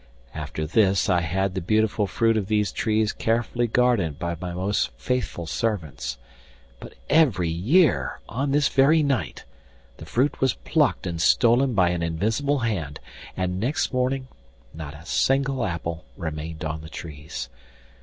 'After this I had the beautiful fruit of these trees carefully guarded by my most faithful servants; but every year, on this very night, the fruit was plucked and stolen by an invisible hand, and next morning not a single apple remained on the trees.